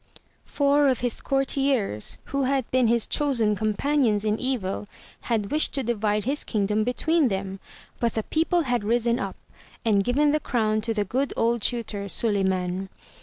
'* Four of his courtiers, who had been his chosen companions in evil, had wished to divide his kingdom between them, but the people had risen up and given the crown to the good old tutor, Suliman.